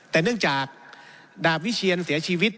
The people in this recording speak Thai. แต่เนื่องจากดาบวิเชียนเสียชีวิต